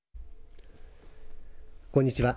こんにちは。